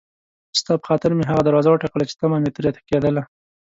ستا په خاطر مې هغه دروازه وټکوله چې طمعه مې ترې کېدله.